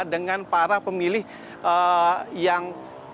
dengan para pemilih yang